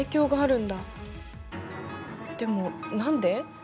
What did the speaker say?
でも何で？